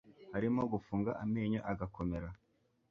harimo gufunga amenyo agakomera